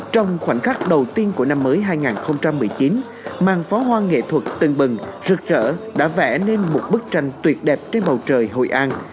trong khoảnh khắc đầu tiên của năm mới hai nghìn một mươi chín màn pháo hoa nghệ thuật tân bừng rực rỡ đã vẽ nên một bức tranh tuyệt đẹp trên bầu trời hội an